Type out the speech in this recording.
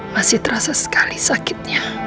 masih terasa sekali sakit